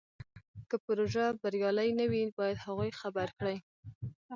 که پروژه بریالۍ نه وي باید هغوی خبر کړي.